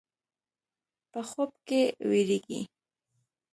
په خوب کې وېرېږي.